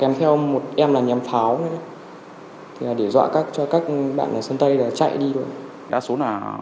em mạnh chửi cháu ạ